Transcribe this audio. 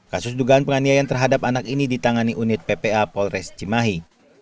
kasus dugaan penganiayaan terhadap anak ini ditangani unit ppa polres cimahi